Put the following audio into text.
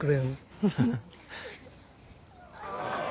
フフフ。